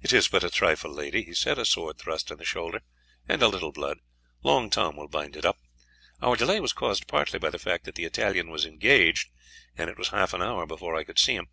"It is but a trifle, lady," he said; "a sword thrust in the shoulder, and a little blood. Long Tom will bind it up. Our delay was caused partly by the fact that the Italian was engaged, and it was half an hour before I could see him.